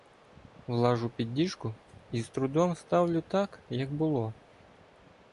Влажу під діжку і з трудом ставлю так, як було.